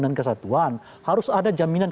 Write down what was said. dan kesatuan harus ada jaminan